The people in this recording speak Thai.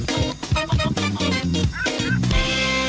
ข้อมูลล่ะ